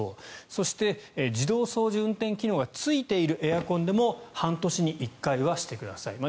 そして、自動掃除運転機能がついているエアコンでも半年に１回はしてくださいと。